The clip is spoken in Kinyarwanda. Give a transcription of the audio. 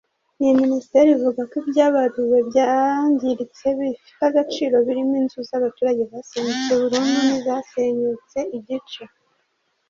Iyi minisiteri ivuga ko ibyabaruwe byangiritse bifite agaciro birimo inzu z’abaturage zasenyutse burundu n’izasenyutse igice